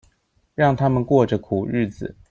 讓他們過著苦日子